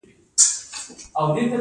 د پنجشیر توت بې ساري خوند لري.